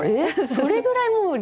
それぐらいもうリアル。